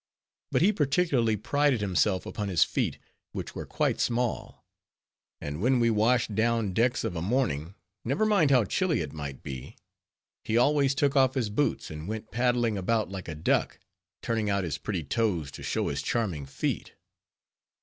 But he particularly prided himself upon his feet, which were quite small; and when we washed down decks of a morning, never mind how chilly it might be, he always took off his boots, and went paddling about like a duck, turning out his pretty toes to show his charming feet.